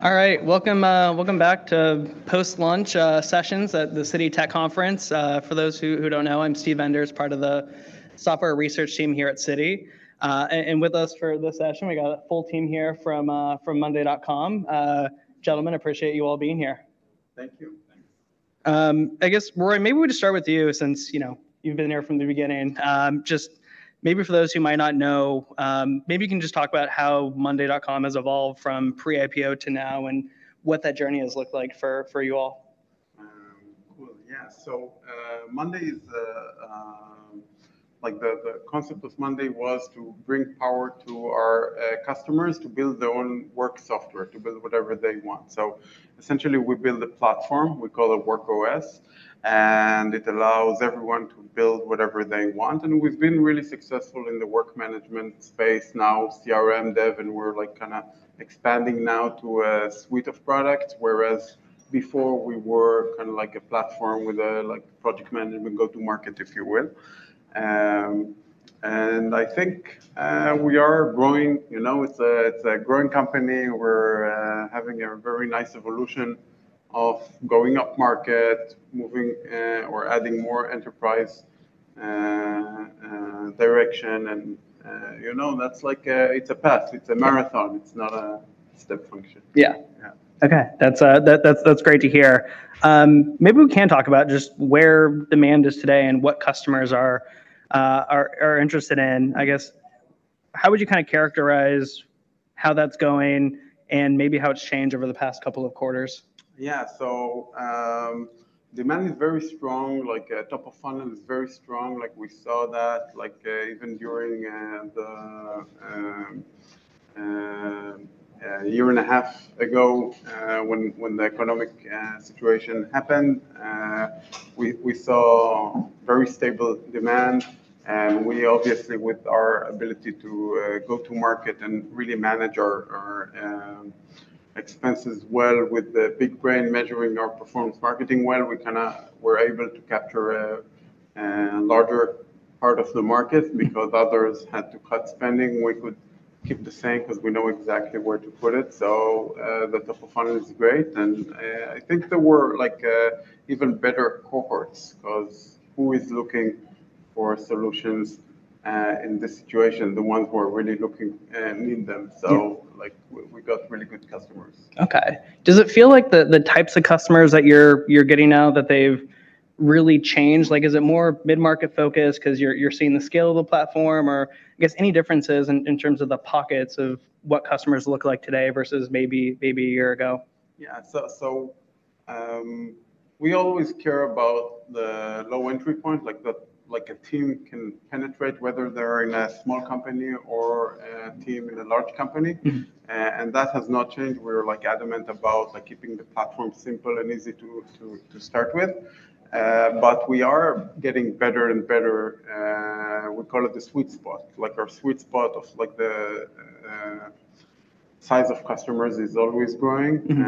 All right. Welcome, welcome back to post-lunch sessions at the Citi Tech Conference. For those who, who don't know, I'm Steven Enders, part of the software research team here at Citi. And with us for this session, we got a full team here from monday.com. Gentlemen, appreciate you all being here. Thank you. Thanks. I guess, Roy, maybe we just start with you since, you know, you've been here from the beginning. Just maybe for those who might not know, maybe you can just talk about how monday.com has evolved from pre-IPO to now, and what that journey has looked like for, for you all. Well, yeah. So, Monday is, like, the concept of Monday was to bring power to our customers to build their own work software, to build whatever they want. So essentially, we build a platform, we call it Work OS, and it allows everyone to build whatever they want. And we've been really successful in the work management space now, CRM, dev, and we're, like, kinda expanding now to a suite of products. Whereas before, we were kind of like a platform with a, like, project management go-to market, if you will. And I think we are growing, you know, it's a growing company. We're having a very nice evolution of going up market, moving or adding more enterprise direction. You know, that's like a path, it's a marathon, it's not a step function. Yeah. Yeah. Okay. That's great to hear. Maybe we can talk about just where demand is today and what customers are interested in. I guess, how would you kinda characterize how that's going and maybe how it's changed over the past couple of quarters? Yeah. So, demand is very strong. Like, top of funnel is very strong. Like, we saw that, like, even during a year and a half ago, when the economic situation happened, we saw very stable demand. And we, obviously, with our ability to go to market and really manage our expenses well with the BigBrain, measuring our performance marketing well, we kinda were able to capture a larger part of the market because others had to cut spending. We could keep the same 'cause we know exactly where to put it. So, the top of funnel is great, and I think there were, like, even better cohorts, 'cause who is looking for solutions in this situation? The ones who are really looking need them. Yeah. So, like, we got really good customers. Okay. Does it feel like the, the types of customers that you're, you're getting now, that they've really changed? Like, is it more mid-market focused 'cause you're, you're seeing the scale of the platform, or I guess any differences in, in terms of the pockets of what customers look like today versus maybe, maybe a year ago? Yeah. So, we always care about the low entry point. Like, a team can penetrate, whether they're in a small company or a team in a large company- Mm-hmm. And that has not changed. We're, like, adamant about, like, keeping the platform simple and easy to start with. But we are getting better and better, we call it the sweet spot. Like, our sweet spot of, like, the size of customers is always growing. Mm-hmm.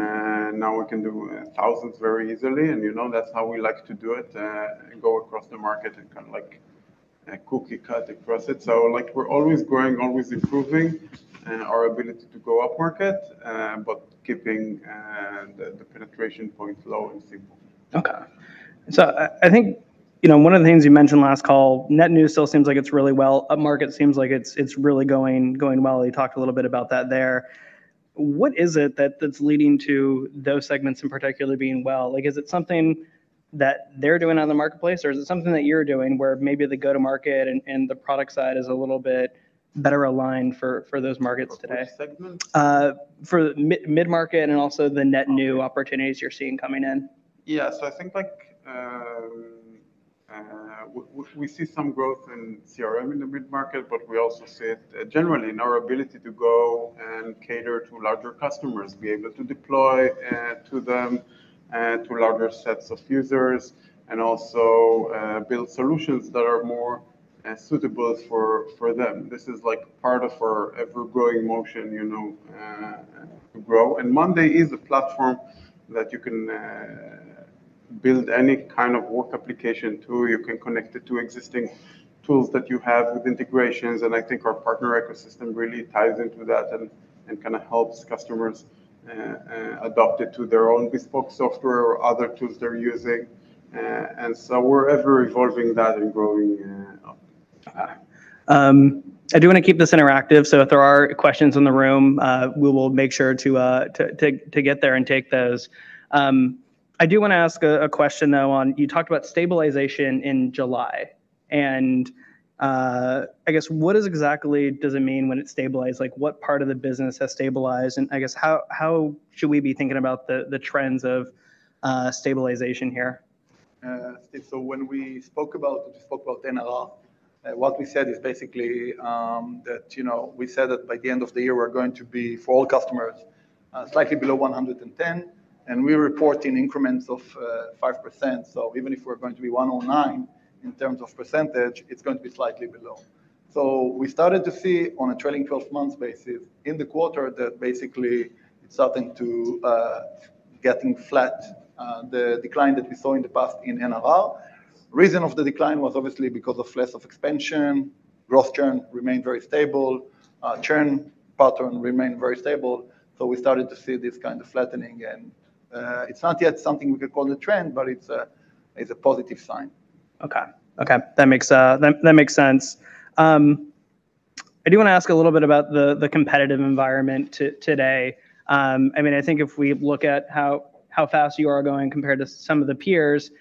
And now we can do thousands very easily, and, you know, that's how we like to do it, and go across the market and kind of like, quickly cut across it. So, like, we're always growing, always improving, our ability to go upmarket, but keeping the penetration point low and simple. Okay. So I think, you know, one of the things you mentioned last call, net new still seems like it's really well... Upmarket seems like it's really going well. You talked a little bit about that there. What is it that's leading to those segments in particular being well? Like, is it something that they're doing on the marketplace, or is it something that you're doing where maybe the go-to-market and the product side is a little bit better aligned for those markets today? Which segments? For the mid-market, and also the net- Okay... new opportunities you're seeing coming in. Yeah. So I think, like, we see some growth in CRM in the mid-market, but we also see it generally in our ability to go and cater to larger customers, be able to deploy to them to larger sets of users, and also build solutions that are more suitable for them. This is like part of our ever-growing motion, you know, to grow. And monday is a platform that you can build any kind of work application to. You can connect it to existing tools that you have with integrations, and I think our partner ecosystem really ties into that and kinda helps customers adopt it to their own bespoke software or other tools they're using. And so we're ever evolving that and growing up. I do wanna keep this interactive, so if there are questions in the room, we will make sure to get there and take those. I do wanna ask a question, though, on... You talked about stabilization in July, and I guess what exactly does it mean when it's stabilized? Like, what part of the business has stabilized, and I guess how should we be thinking about the trends of stabilization here? Steve, we spoke about NRR, what we said is basically, that, you know, we said that by the end of the year, we're going to be, for all customers, slightly below 110, and we report in increments of 5%. So even if we're going to be 109 in terms of percentage, it's going to be slightly below. So we started to see, on a trailing 12-month basis, in the quarter, that basically it's starting to getting flat, the decline that we saw in the past in NRR. Reason of the decline was obviously because of less of expansion. Growth churn remained very stable. Churn pattern remained very stable, so we started to see this kind of flattening, and it's not yet something we could call a trend, but it's a, it's a positive sign. Okay. Okay, that makes sense. I do wanna ask a little bit about the competitive environment today. I mean, I think if we look at how fast you are going compared to some of the peers,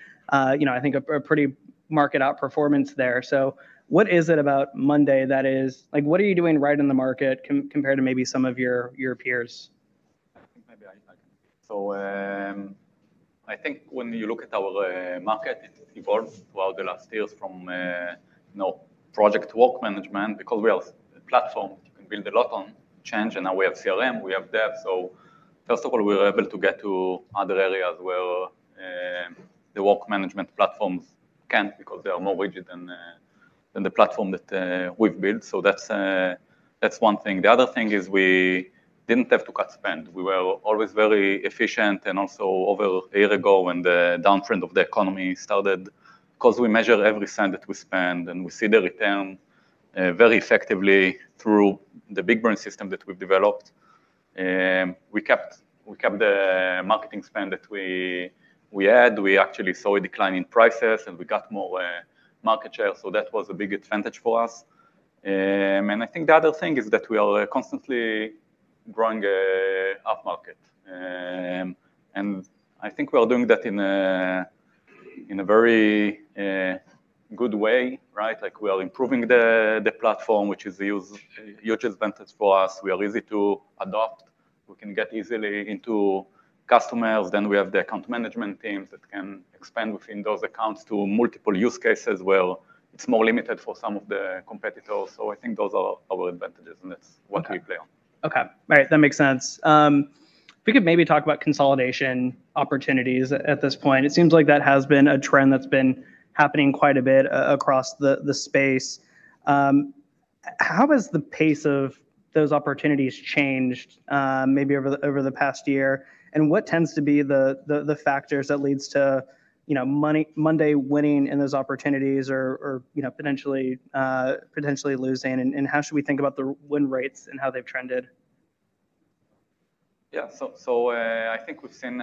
you know, I think a pretty market outperformance there. So what is it about monday.com that is—like, what are you doing right in the market compared to maybe some of your peers? I think maybe I can. So, I think when you look at our market, it evolved throughout the last years from, you know, project work management, because we are platform, we build a lot on change, and now we have CRM, we have dev. So first of all, we were able to get to other areas where the work management platforms can't because they are more rigid than the platform that we've built. So that's one thing. The other thing is we didn't have to cut spend. We were always very efficient, and also over a year ago, when the downtrend of the economy started, 'cause we measure every cent that we spend, and we see the return very effectively through the BigBrain system that we've developed. We kept the marketing spend that we had. We actually saw a decline in prices, and we got more market share, so that was a big advantage for us. And I think the other thing is that we are constantly growing upmarket. And I think we are doing that in a very good way, right? Like we are improving the platform, which is a huge advantage for us. We are easy to adopt. We can get easily into customers, then we have the account management teams that can expand within those accounts to multiple use cases where it's more limited for some of the competitors. So I think those are our advantages, and that's what we play on. Okay. Right, that makes sense. If we could maybe talk about consolidation opportunities at this point, it seems like that has been a trend that's been happening quite a bit across the space. How has the pace of those opportunities changed, maybe over the past year? And what tends to be the factors that leads to, you know, monday winning in those opportunities or, you know, potentially losing, and how should we think about the win rates and how they've trended? Yeah. So, so, I think we've seen,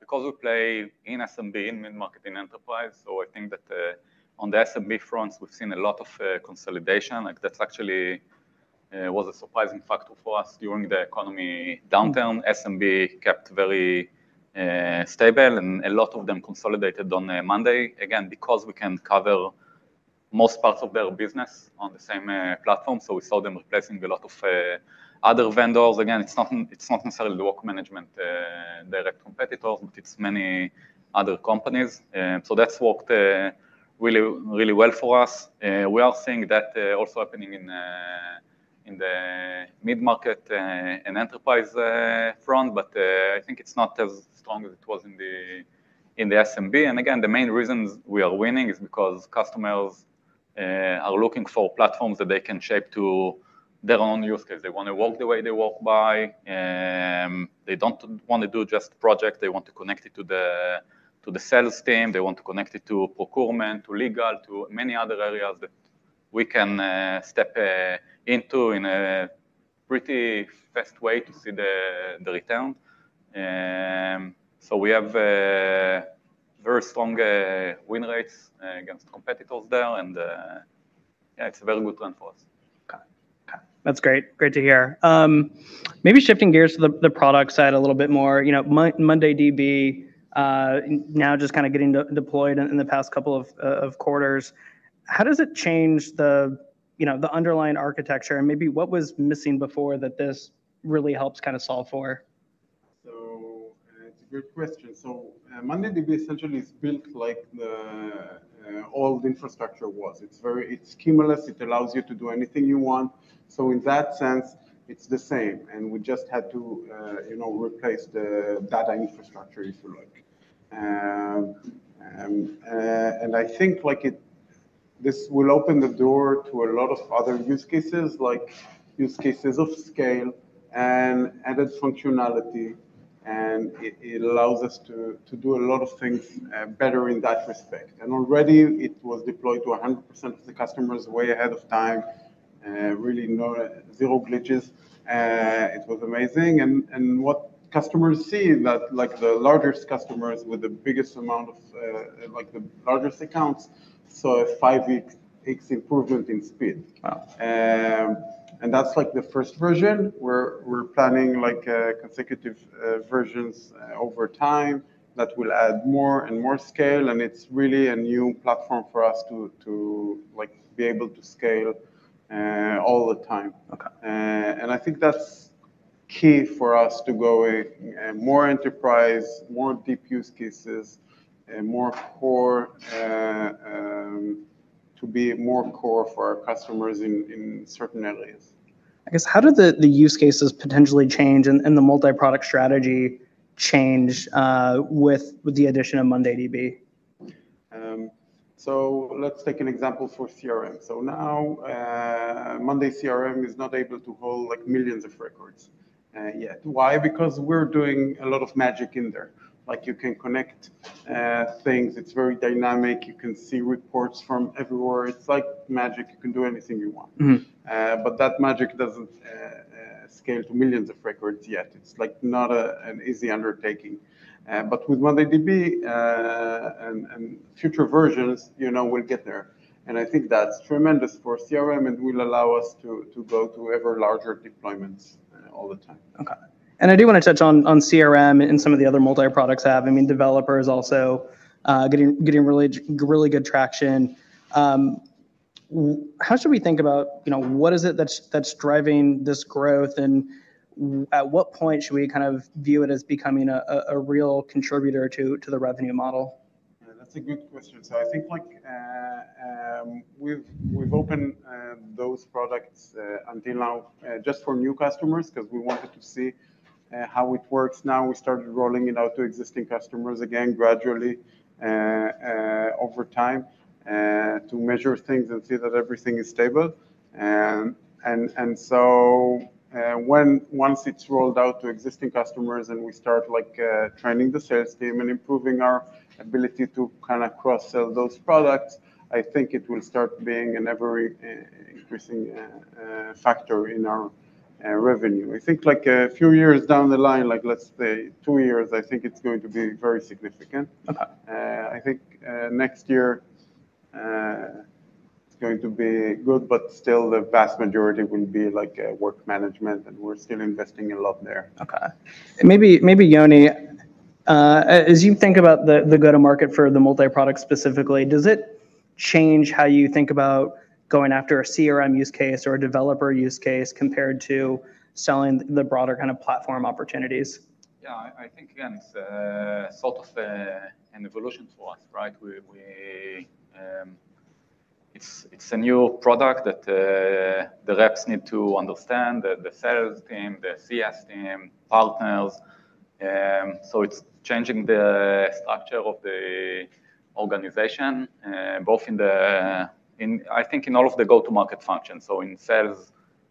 because we play in SMB, in mid-market and enterprise, so I think that, on the SMB front, we've seen a lot of, consolidation. Like, that's actually, was a surprising factor for us during the economy downturn. SMB kept very, stable, and a lot of them consolidated on, Monday. Again, because we can cover most parts of their business on the same, platform, so we saw them replacing a lot of, other vendors. Again, it's not, it's not necessarily the work management, direct competitors, but it's many other companies. So that's worked, really, really well for us. We are seeing that, also happening in, in the mid-market, and enterprise, front, but, I think it's not as strong as it was in the, in the SMB. And again, the main reasons we are winning is because customers are looking for platforms that they can shape to their own use case. They wanna work the way they work by, they don't want to do just project, they want to connect it to the, to the sales team, they want to connect it to procurement, to legal, to many other areas that we can step into in a pretty fast way to see the, the return. So we have very strong win rates against competitors there, and yeah, it's a very good trend for us. Okay. Okay, that's great. Great to hear. Maybe shifting gears to the product side a little bit more. You know, mondayDB, now just kinda getting deployed in the past couple of quarters, how does it change the, you know, the underlying architecture, and maybe what was missing before that this really helps kinda solve for? So it's a great question. So, mondayDB essentially is built like the, old infrastructure was. It's very, it's schemaless, it allows you to do anything you want. So in that sense, it's the same, and we just had to, you know, replace the data infrastructure, if you like. And I think like it, this will open the door to a lot of other use cases, like use cases of scale and added functionality, and it, it allows us to, to do a lot of things, better in that respect. And already, it was deployed to 100% of the customers way ahead of time, really, zero glitches. It was amazing, and what customers see is that, like the largest customers with the biggest amount of, like the largest accounts, saw a 5x improvement in speed. Wow! And that's like the first version. We're planning like consecutive versions over time that will add more and more scale, and it's really a new platform for us to like be able to scale all the time. Okay. I think that's key for us to go more enterprise, more deep use cases, and more core to be more core for our customers in certain areas. I guess, how did the use cases potentially change and the multi-product strategy change with the addition of mondayDB?... So let's take an example for CRM. So now, monday CRM is not able to hold, like, millions of records, yet. Why? Because we're doing a lot of magic in there. Like, you can connect, things, it's very dynamic, you can see reports from everywhere. It's like magic, you can do anything you want. Mm-hmm. But that magic doesn't scale to millions of records yet. It's like not an easy undertaking, but with mondayDB and future versions, you know, we'll get there, and I think that's tremendous for CRM and will allow us to go to ever larger deployments all the time. Okay. And I do wanna touch on CRM and some of the other multi-products have. I mean, monday dev also getting really good traction. How should we think about, you know, what is it that's driving this growth, and at what point should we kind of view it as becoming a real contributor to the revenue model? That's a good question. So I think like, we've opened those products until now just for new customers, 'cause we wanted to see how it works now. We started rolling it out to existing customers, again, gradually over time to measure things and see that everything is stable. And so, once it's rolled out to existing customers and we start, like, training the sales team and improving our ability to kinda cross-sell those products, I think it will start being an ever increasing factor in our revenue. I think like a few years down the line, like, let's say two years, I think it's going to be very significant. Okay. I think, next year, it's going to be good, but still the vast majority will be like, work management, and we're still investing a lot there. Okay. Maybe, maybe Yoni, as you think about the go-to-market for the multi-product specifically, does it change how you think about going after a CRM use case or a developer use case, compared to selling the broader kind of platform opportunities? Yeah, I think, again, it's sort of an evolution for us, right? We, it's a new product that the reps need to understand, the sales team, the CS team, partners. So it's changing the structure of the organization, both in the - I think in all of the go-to-market functions. So in sales,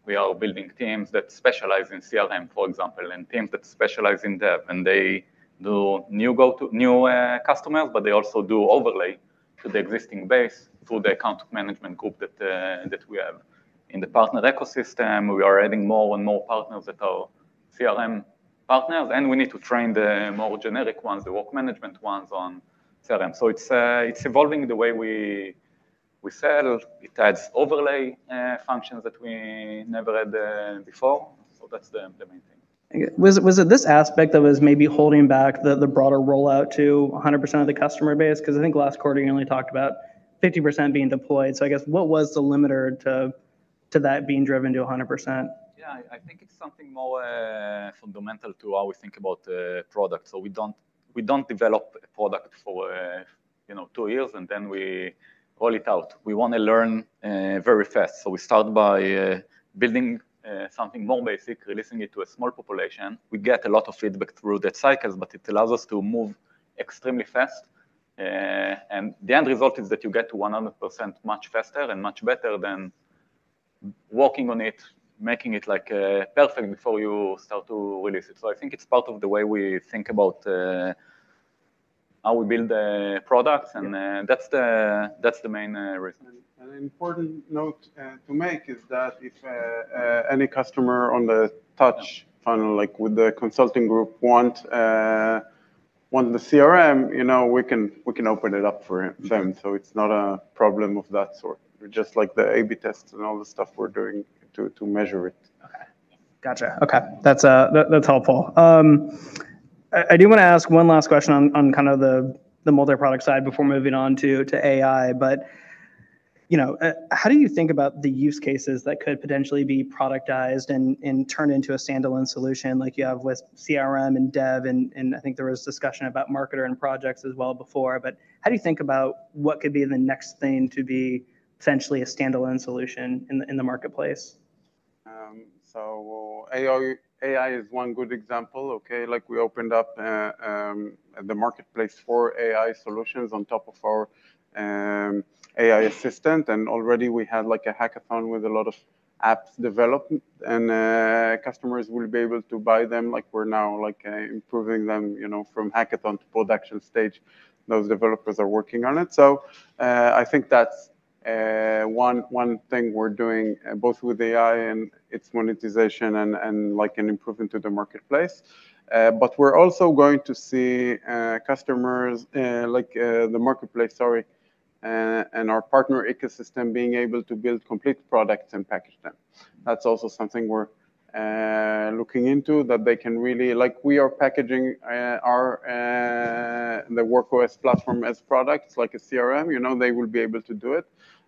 we are building teams that specialize in CRM, for example, and teams that specialize in dev, and they do new go to... new customers, but they also do overlay to the existing base through the account management group that we have. In the partner ecosystem, we are adding more and more partners that are CRM partners, and we need to train the more generic ones, the work management ones on CRM. So it's evolving the way we sell. It adds overlay functions that we never had before. So that's the main thing. Was it, was it this aspect that was maybe holding back the, the broader rollout to 100% of the customer base? 'Cause I think last quarter you only talked about 50% being deployed. So I guess what was the limiter to, to that being driven to 100%? Yeah, I think it's something more fundamental to how we think about the product. So we don't develop a product for, you know, two years, and then we roll it out. We wanna learn very fast. So we start by building something more basic, releasing it to a small population. We get a lot of feedback through that cycle, but it allows us to move extremely fast, and the end result is that you get to 100% much faster and much better than working on it, making it, like, perfect before you start to release it. So I think it's part of the way we think about how we build products, and that's the main reason. An important note to make is that if any customer on the touch funnel, like with the consulting group want the CRM, you know, we can open it up for them. So it's not a problem of that sort. Just like the A/B tests and all the stuff we're doing to measure it. Okay. Gotcha. Okay, that's, that, that's helpful. I, I do wanna ask one last question on, on kind of the, the multi-product side before moving on to, to AI. But, you know, how do you think about the use cases that could potentially be productized and, and turned into a standalone solution like you have with CRM and dev, and, and I think there was discussion about marketer and projects as well before, but how do you think about what could be the next thing to be essentially a standalone solution in the, in the marketplace? So AI, AI is one good example, okay? Like, we opened up the marketplace for AI solutions on top of our AI assistant, and already we had, like, a hackathon with a lot of apps developed, and customers will be able to buy them. Like, we're now, like, improving them, you know, from hackathon to production stage. Those developers are working on it. So, I think that's one thing we're doing, both with AI and its monetization and, like, an improvement to the marketplace. But we're also going to see customers, like, the marketplace, sorry, and our partner ecosystem being able to build complete products and package them. That's also something we're looking into, that they can really... Like, we are packaging, our, the Work OS platform as products, like a CRM, you know, they will be able to do it.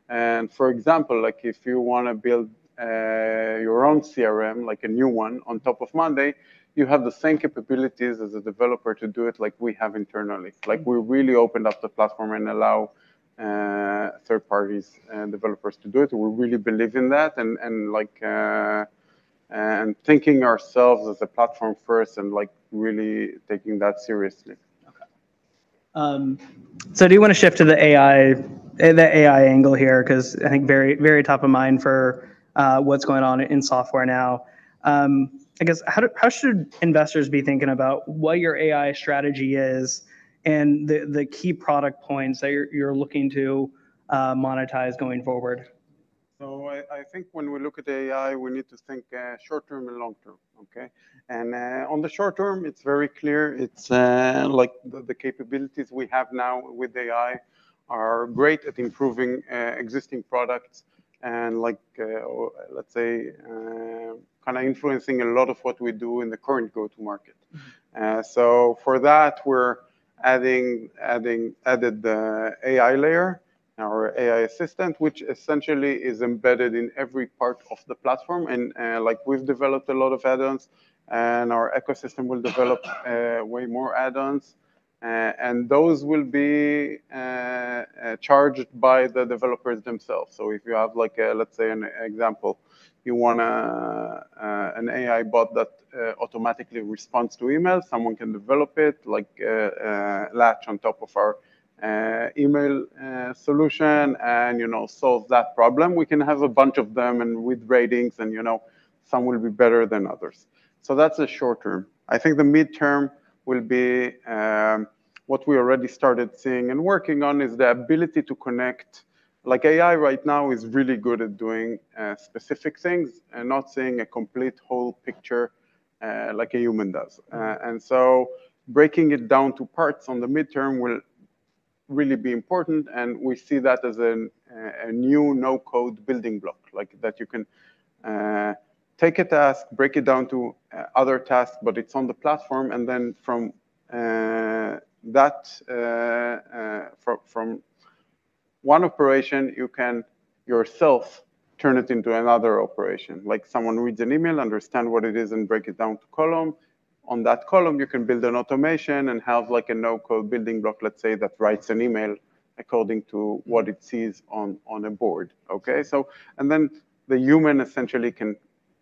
And for example, like if you wanna build, your own CRM, like a new one on top of Monday, you have the same capabilities as a developer to do it like we have internally. Mm-hmm. Like, we really opened up the platform and allow third parties and developers to do it. We really believe in that, and like, thinking ourselves as a platform first, and like, really taking that seriously. Okay. So I do wanna shift to the AI, the AI angle here, 'cause I think very, very top of mind for, what's going on in software now. I guess, how should investors be thinking about what your AI strategy is, and the, the key product points that you're, you're looking to, monetize going forward? So I think when we look at AI, we need to think short-term and long-term, okay? And on the short-term, it's very clear, it's like the capabilities we have now with AI are great at improving existing products, and like or let's say kinda influencing a lot of what we do in the current go-to-market. Mm-hmm. So for that, we're added the AI layer, our AI assistant, which essentially is embedded in every part of the platform, and, like, we've developed a lot of add-ons, and our ecosystem will develop way more add-ons, and those will be charged by the developers themselves. So if you have, like, let's say an example, you want a an AI bot that automatically responds to emails, someone can develop it, like, latch on top of our email solution and, you know, solve that problem. We can have a bunch of them and with ratings and, you know, some will be better than others. So that's the short term. I think the midterm will be what we already started seeing and working on, is the ability to connect. Like, AI right now is really good at doing specific things and not seeing a complete whole picture, like a human does. And so breaking it down to parts on the midterm will really be important, and we see that as an a new no-code building block. Like, that you can take a task, break it down to other tasks, but it's on the platform, and then from that from one operation, you can yourself turn it into another operation. Like, someone reads an email, understand what it is, and break it down to column. On that column, you can build an automation and have, like, a no-code building block, let's say, that writes an email according to what it sees on a board, okay? So, and then the human essentially can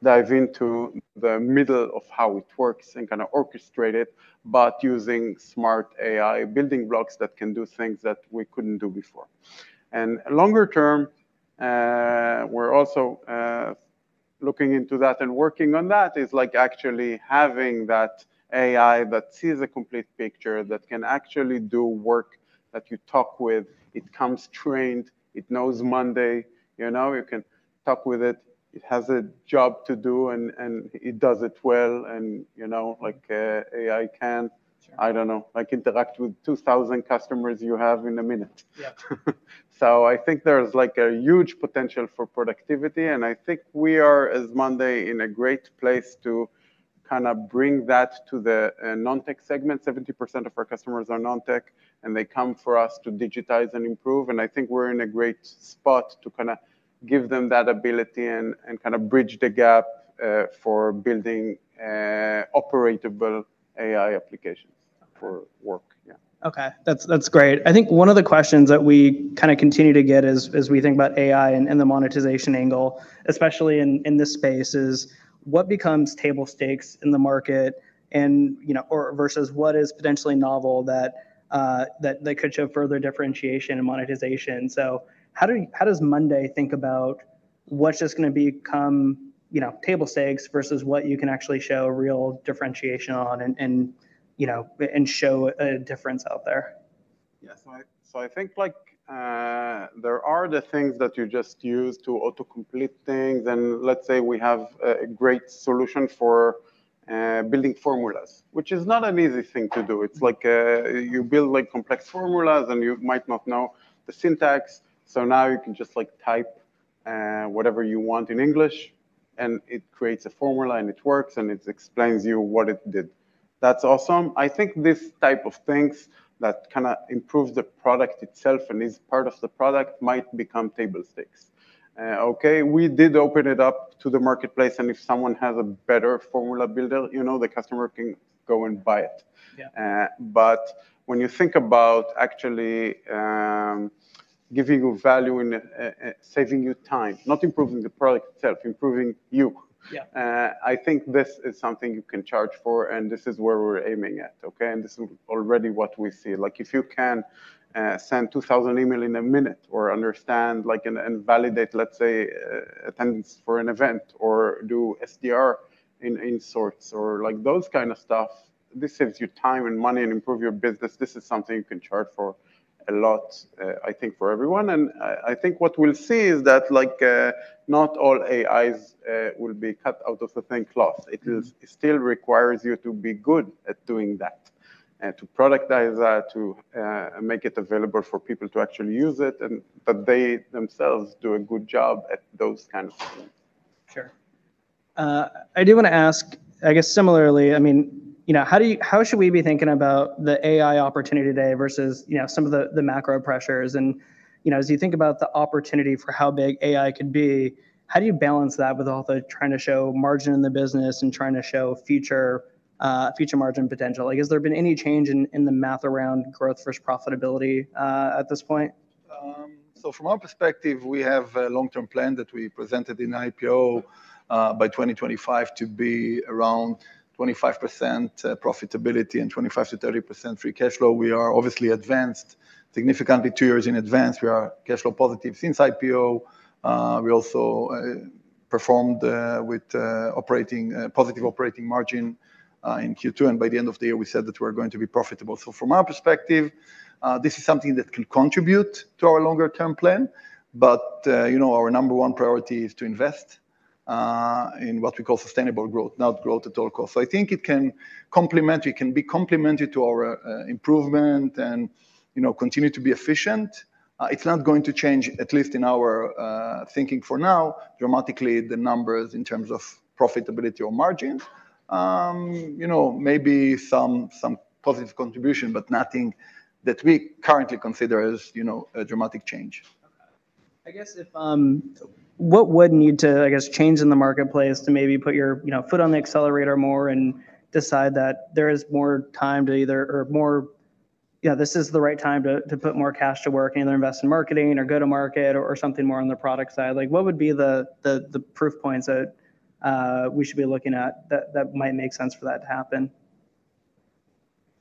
dive into the middle of how it works and kinda orchestrate it, but using smart AI building blocks that can do things that we couldn't do before. And longer term, we're also looking into that and working on that, is like actually having that AI that sees a complete picture, that can actually do work, that you talk with. It comes trained, it knows monday.com, you know, you can talk with it. It has a job to do, and, and it does it well, and, you know, like, AI can- Sure.... I don't know, like, interact with 2,000 customers you have in a minute. Yeah. So I think there's, like, a huge potential for productivity, and I think we are, as monday.com, in a great place to kinda bring that to the non-tech segment. 70% of our customers are non-tech, and they come for us to digitize and improve, and I think we're in a great spot to kinda give them that ability and kinda bridge the gap for building operable AI applications for work. Yeah. Okay. That's, that's great. I think one of the questions that we kinda continue to get is, is we think about AI and, and the monetization angle, especially in, in this space, is what becomes table stakes in the market and, you know, or versus what is potentially novel that, that could show further differentiation and monetization? So how do, how does monday.com think about what's just gonna become, you know, table stakes versus what you can actually show real differentiation on and, and, you know, and show a difference out there? Yeah. So I, so I think, like, there are the things that you just use to autocomplete things, and let's say we have a great solution for building formulas, which is not an easy thing to do. It's like, you build, like, complex formulas, and you might not know the syntax. So now you can just, like, type whatever you want in English, and it creates a formula, and it works, and it explains you what it did. That's awesome. I think this type of things that kinda improves the product itself and is part of the product, might become table stakes. Okay, we did open it up to the marketplace, and if someone has a better formula builder, you know, the customer can go and buy it. Yeah. But when you think about actually giving you value and saving you time, not improving the product itself, improving you- Yeah. I think this is something you can charge for, and this is where we're aiming at, okay? This is already what we see. Like, if you can send 2,000 email in a minute, or understand, like, and validate, let's say, attendance for an event, or do SDR in sorts, or like those kind of stuff, this saves you time and money and improve your business. This is something you can charge for a lot, I think for everyone, and I think what we'll see is that, like, not all AIs will be cut out of the same cloth. Mm-hmm. It still requires you to be good at doing that, to productize that, to make it available for people to actually use it, and that they themselves do a good job at those kind of things. Sure. I do wanna ask, I guess similarly, I mean, you know, how do you- how should we be thinking about the AI opportunity today versus, you know, some of the macro pressures? And, you know, as you think about the opportunity for how big AI could be, how do you balance that with all the trying to show margin in the business and trying to show future, future margin potential? Like, has there been any change in the math around growth versus profitability, at this point?... So from our perspective, we have a long-term plan that we presented in IPO, by 2025 to be around 25% profitability and 25%-30% free cash flow. We are obviously advanced significantly, two years in advance. We are cash flow positive since IPO. We also performed with positive operating margin in Q2, and by the end of the year, we said that we're going to be profitable. So from our perspective, this is something that can contribute to our longer-term plan, but, you know, our number one priority is to invest in what we call sustainable growth, not growth at all costs. So I think it can complement, it can be complemented to our improvement and, you know, continue to be efficient. It's not going to change, at least in our thinking for now, dramatically, the numbers in terms of profitability or margin. You know, maybe some, some positive contribution, but nothing that we currently consider as, you know, a dramatic change. I guess if what would need to, I guess, change in the marketplace to maybe put your, you know, foot on the accelerator more and decide that there is more time to either or more... Yeah, this is the right time to, to put more cash to work and either invest in marketing or go to market or something more on the product side. Like, what would be the, the, the proof points that we should be looking at that might make sense for that to happen?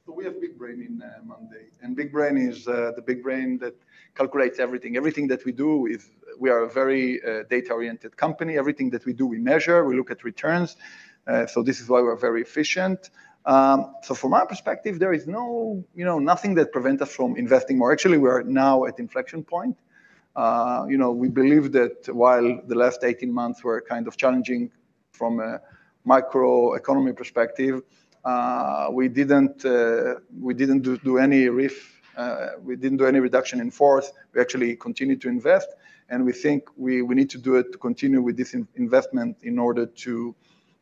So we have BigBrain in monday, and BigBrain is the BigBrain that calculates everything. Everything that we do is we are a very data-oriented company. Everything that we do, we measure, we look at returns, so this is why we're very efficient. So from our perspective, there is no, you know, nothing that prevent us from investing more. Actually, we are now at inflection point. You know, we believe that while the last 18 months were kind of challenging from a macroeconomic perspective, we didn't do any RIF, we didn't do any reduction in force. We actually continued to invest, and we think we need to do it to continue with this investment in order to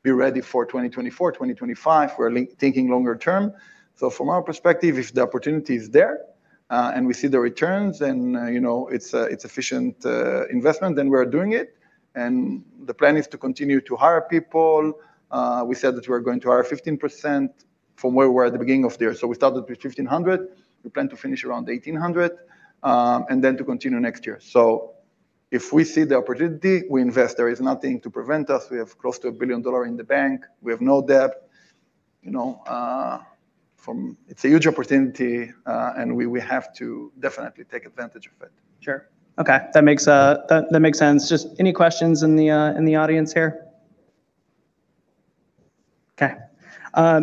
be ready for 2024, 2025. We're thinking longer term. So from our perspective, if the opportunity is there, and we see the returns, then, you know, it's a, it's efficient investment, then we are doing it, and the plan is to continue to hire people. We said that we are going to hire 15% from where we were at the beginning of the year. So we started with 1,500. We plan to finish around 1,800, and then to continue next year. So if we see the opportunity, we invest. There is nothing to prevent us. We have close to $1 billion in the bank. We have no debt, you know. It's a huge opportunity, and we have to definitely take advantage of it. Sure. Okay, that makes sense. Just any questions in the audience here? Okay.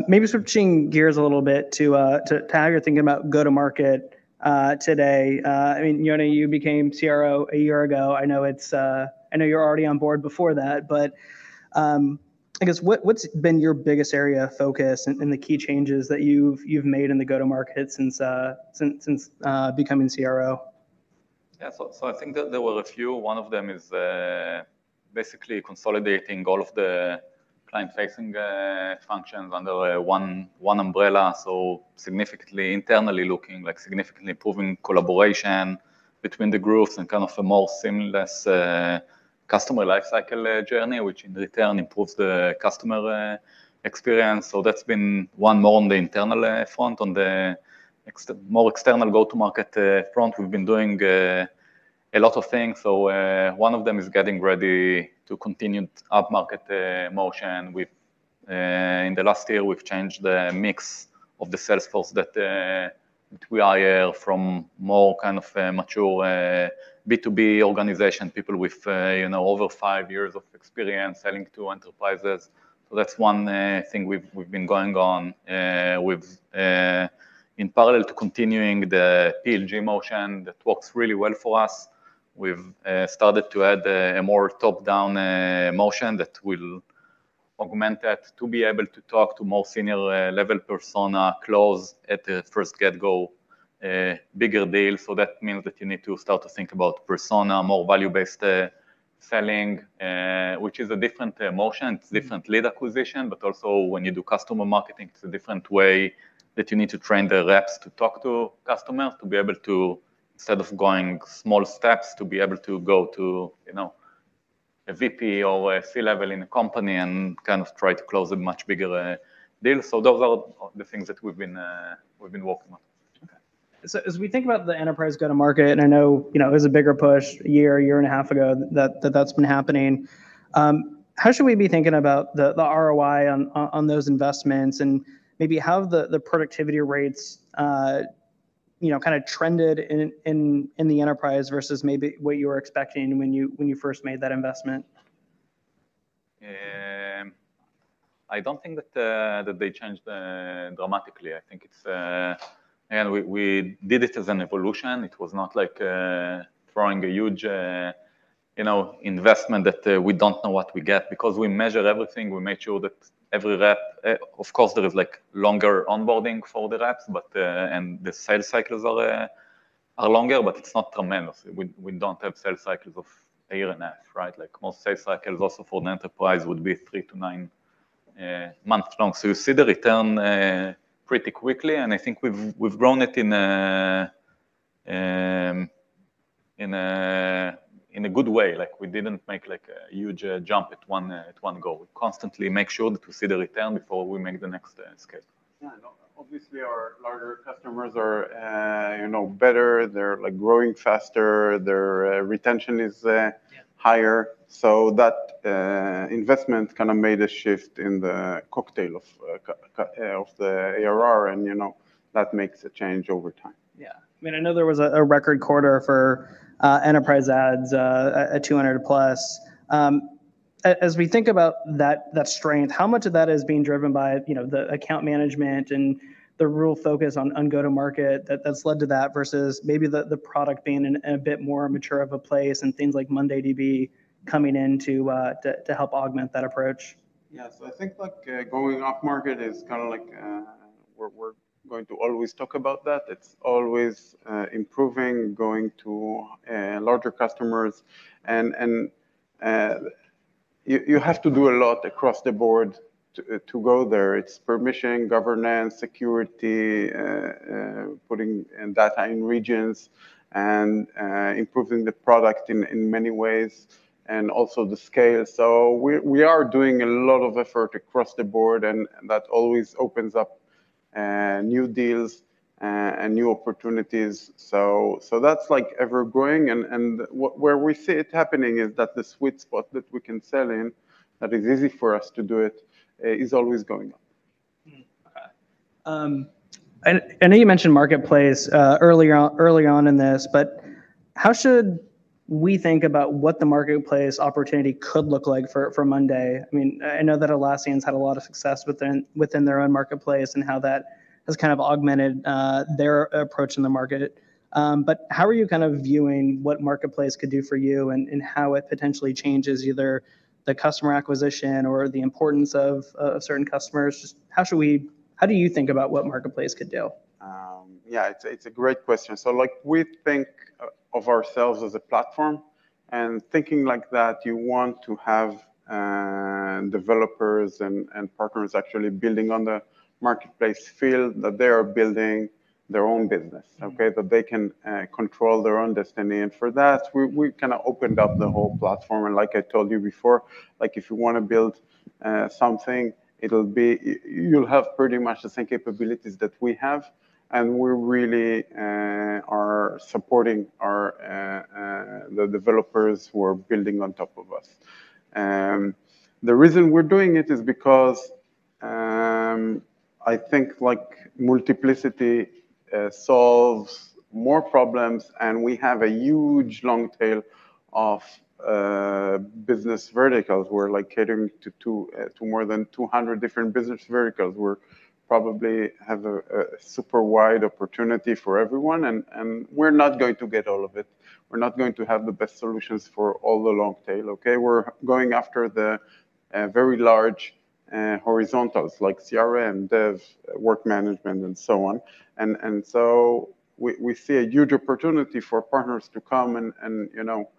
Maybe switching gears a little bit to how you're thinking about go-to-market today. I mean, Yoni, you became CRO a year ago. I know it's, I know you're already on board before that, but, I guess what, what's been your biggest area of focus and the key changes that you've made in the go-to-market since becoming CRO? Yeah. So I think that there were a few. One of them is basically consolidating all of the client-facing functions under one umbrella. So significantly, internally looking, like, significantly improving collaboration between the groups and kind of a more seamless customer life cycle journey, which in return improves the customer experience. So that's been one more on the internal front. On the external go-to-market front, we've been doing a lot of things. So one of them is getting ready to continue upmarket motion. We've in the last year, we've changed the mix of the sales force that we hire from more kind of a mature B2B organization, people with you know, over five years of experience selling to enterprises. So that's one thing we've been going on. We've in parallel to continuing the PLG motion, that works really well for us. We've started to add a more top-down motion that will augment that to be able to talk to more senior level persona, close at the first get-go, bigger deals. So that means that you need to start to think about persona, more value-based selling, which is a different emotion. Mm-hmm. It's different lead acquisition, but also when you do customer marketing, it's a different way that you need to train the reps to talk to customers, to be able to, instead of going small steps, to be able to go to, you know, a VP or a C-level in a company and kind of try to close a much bigger deal. So those are the things that we've been, we've been working on. Okay. So as we think about the enterprise go-to-market, and I know, you know, it was a bigger push a year, a year and a half ago, that, that's been happening, how should we be thinking about the ROI on those investments? And maybe how have the productivity rates, you know, kinda trended in the enterprise versus maybe what you were expecting when you first made that investment? I don't think that they changed dramatically. I think it's... And we did it as an evolution. It was not like throwing a huge you know investment that we don't know what we get. Because we measure everything, we make sure that every rep of course there is like longer onboarding for the reps, but and the sales cycles are longer, but it's not tremendous. We don't have sales cycles of a year and a half, right? Like, most sales cycles also for an enterprise would be three to nine months long. So you see the return pretty quickly, and I think we've grown it in a good way. Like, we didn't make like a huge jump at one go. We constantly make sure that we see the return before we make the next scale.... obviously, our larger customers are, you know, better, they're, like, growing faster, their retention is higher. So that investment kind of made a shift in the cocktail of the ARR, and, you know, that makes a change over time. Yeah. I mean, I know there was a record quarter for enterprise adds at 200+. As we think about that strength, how much of that is being driven by, you know, the account management and the real focus on go-to-market that's led to that, versus maybe the product being in a bit more mature of a place and things like mondayDB coming in to help augment that approach? Yeah. So I think, like, going upmarket is kind of like, we're, we're going to always talk about that. It's always, improving, going to, larger customers, and, and, you, you have to do a lot across the board to, to go there. It's permission, governance, security, putting, data in regions, and, improving the product in, in many ways, and also the scale. So we, we are doing a lot of effort across the board, and that always opens up, new deals, and new opportunities. So, so that's like ever growing, and, and where we see it happening is that the sweet spot that we can sell in, that is easy for us to do it, is always going up. Hmm. Okay. And you mentioned marketplace earlier on in this, but how should we think about what the marketplace opportunity could look like for monday.com? I mean, I know that Atlassian’s had a lot of success within their own marketplace and how that has kind of augmented their approach in the market. But how are you kind of viewing what marketplace could do for you and how it potentially changes either the customer acquisition or the importance of certain customers? Just how do you think about what marketplace could do? Yeah, it's a great question. So, like, we think of ourselves as a platform, and thinking like that, you want to have developers and partners actually building on the marketplace, feel that they are building their own business, okay? Mm. That they can control their own destiny. And for that, we kind of opened up the whole platform, and like I told you before, like, if you want to build something, you'll have pretty much the same capabilities that we have, and we're really supporting our the developers who are building on top of us. The reason we're doing it is because I think, like, multiplicity solves more problems, and we have a huge long tail of business verticals. We're, like, catering to two to more than 200 different business verticals. We probably have a super wide opportunity for everyone, and we're not going to get all of it. We're not going to have the best solutions for all the long tail, okay? We're going after the very large horizontals, like CRM, dev, work management, and so on. And so we see a huge opportunity for partners to come and you know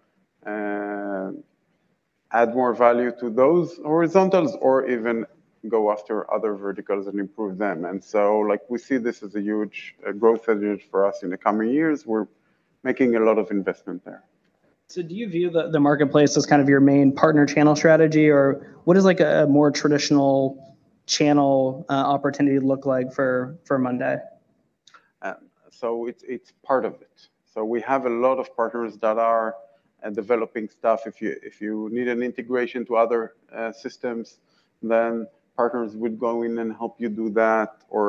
add more value to those horizontals or even go after other verticals and improve them. And so, like, we see this as a huge growth avenue for us in the coming years. We're making a lot of investment there. Do you view the marketplace as kind of your main partner channel strategy, or what is like a more traditional channel opportunity look like for monday.com? So it's part of it. So we have a lot of partners that are developing stuff. If you need an integration to other systems, then partners would go in and help you do that or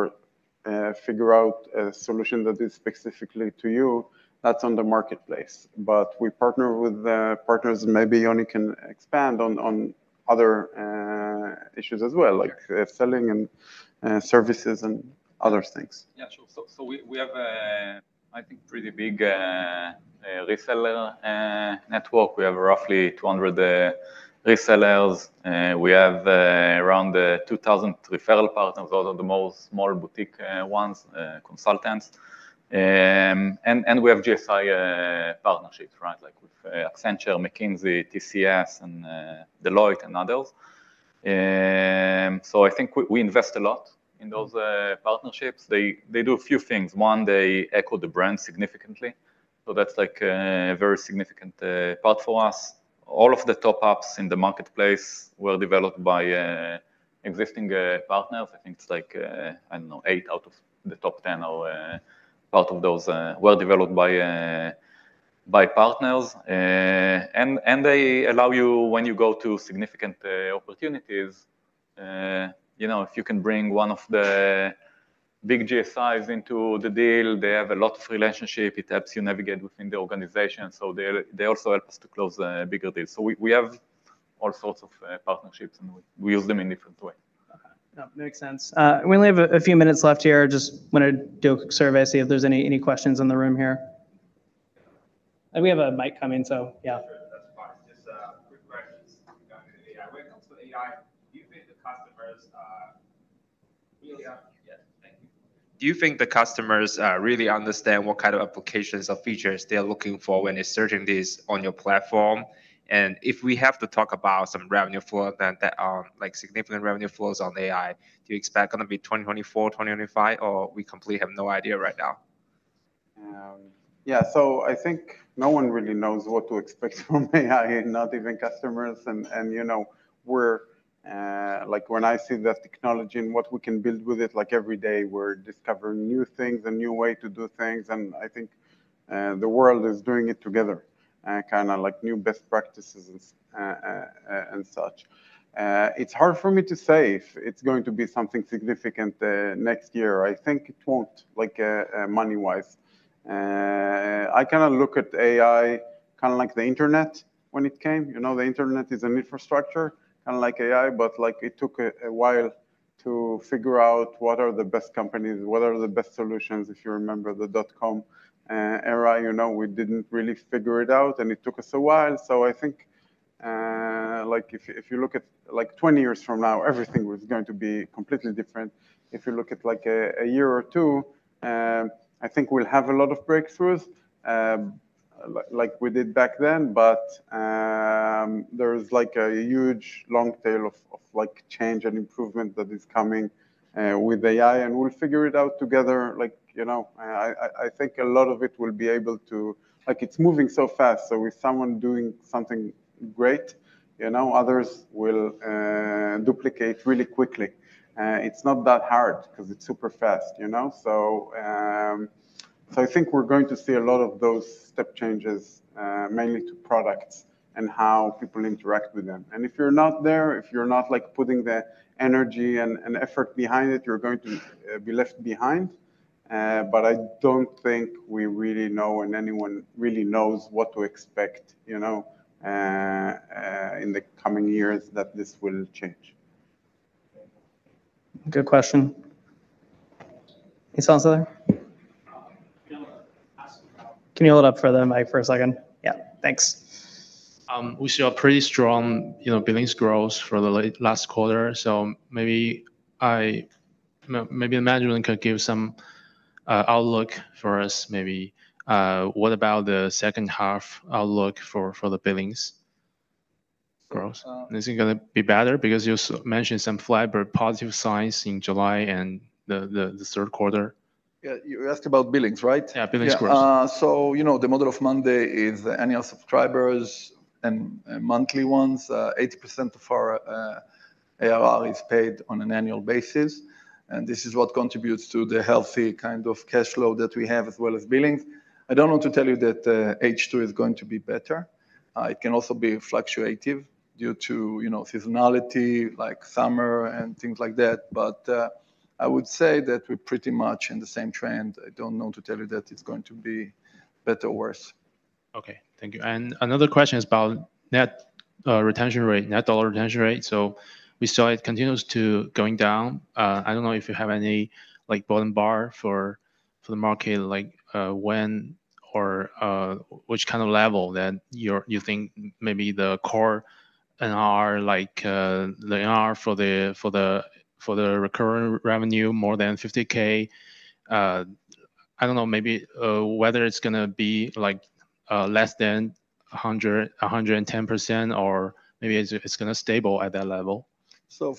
figure out a solution that is specifically to you. That's on the marketplace. But we partner with the partners, maybe Yoni can expand on other issues as well- Yeah... like upselling and services and other things. Yeah, sure. So we have, I think, a pretty big reseller network. We have roughly 200 resellers, we have around 2,000 referral partners. Those are mostly small boutique ones, consultants. And we have GSI partnerships, right? Like with Accenture, McKinsey, TCS, and Deloitte, and others. So I think we invest a lot in those partnerships. They do a few things. One, they echo the brand significantly, so that's like a very significant part for us. All of the top apps in the marketplace were developed by existing partners. I think it's like, I don't know, 8 out of the top 10 or part of those were developed by partners. And they allow you, when you go to significant opportunities, you know, if you can bring one of the big GSIs into the deal, they have a lot of relationship. It helps you navigate within the organization, so they also help us to close bigger deals. So we have all sorts of partnerships, and we use them in different way. Okay. No, makes sense. We only have a few minutes left here. Just want to do a quick survey, see if there's any questions in the room here. And we have a mic coming, so yeah. Sure. That's fine. Just quick questions regarding the AI. When it comes to AI, do you think the customers... Yes. Thank you. Do you think the customers really understand what kind of applications or features they are looking for when they're searching this on your platform? And if we have to talk about some revenue flow, then there are, like, significant revenue flows on AI. Do you expect going to be 2024, 2025, or we completely have no idea right now?... Yeah, so I think no one really knows what to expect from AI, not even customers, and, and, you know, we're, like, when I see the technology and what we can build with it, like, every day, we're discovering new things and new way to do things, and I think, the world is doing it together, kind of like new best practices and, and such. It's hard for me to say if it's going to be something significant, next year. I think it won't, like, money-wise. I kind of look at AI kind of like the internet when it came. You know, the internet is an infrastructure, kind of like AI, but, like, it took a while to figure out what are the best companies, what are the best solutions. If you remember the dot-com era, you know, we didn't really figure it out, and it took us a while. So I think, like, if you look at, like, 20 years from now, everything was going to be completely different. If you look at, like, a year or two, I think we'll have a lot of breakthroughs, like we did back then, but, there's, like, a huge long tail of like change and improvement that is coming with AI, and we'll figure it out together. Like, you know, I think a lot of it will be able to... Like, it's moving so fast, so if someone doing something great, you know, others will duplicate really quickly. It's not that hard 'cause it's super fast, you know? So, I think we're going to see a lot of those step changes, mainly to products and how people interact with them. And if you're not there, like, putting the energy and effort behind it, you're going to be left behind. But I don't think we really know, and anyone really knows what to expect, you know, in the coming years that this will change. Good question. Anyone else out there? Yeah. Ask- Can you hold up for the mic for a second? Yeah, thanks. We saw a pretty strong, you know, billings growth for the last quarter, so maybe the management could give some outlook for us, maybe. What about the second half outlook for the billings growth? So- Is it gonna be better? Because you mentioned some flat but positive signs in July and the third quarter. Yeah. You asked about billings, right? Yeah, billings growth. Yeah. So, you know, the model of monday.com is annual subscribers and monthly ones. 80% of our ARR is paid on an annual basis, and this is what contributes to the healthy kind of cash flow that we have, as well as billings. I don't want to tell you that H2 is going to be better. It can also be fluctuative due to, you know, seasonality, like summer and things like that, but I would say that we're pretty much in the same trend. I don't want to tell you that it's going to be better or worse. Okay, thank you. And another question is about net retention rate, net dollar retention rate. So we saw it continues to going down. I don't know if you have any, like, bottom bar for the market, like, when or which kind of level that you're you think maybe the core NR, like, the NR for the recurring revenue, more than 50k. I don't know, maybe whether it's gonna be like less than 100, 110%, or maybe it's gonna stable at that level.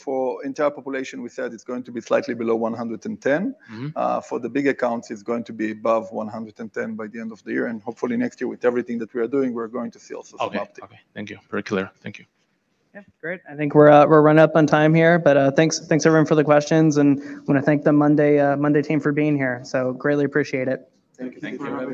For entire population, we said it's going to be slightly below 110. Mm-hmm. For the big accounts, it's going to be above 110 by the end of the year, and hopefully next year, with everything that we are doing, we're going to see also something. Okay. Okay, thank you. Very clear. Thank you. Yeah, great. I think we're running up on time here, but thanks, thanks, everyone, for the questions, and wanna thank the monday, monday team for being here. So greatly appreciate it. Thank you. Thank you very much.